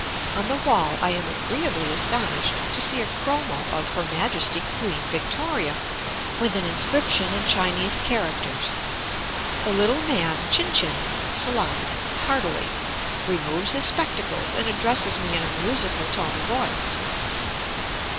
On the wall I am agreeably astonished to see a chromo of Her Majesty Queen Victoria, with an inscription in Chinese characters. The little man chin chins (salaams) heartily, removes his spectacles and addresses me in a musical tone of voice.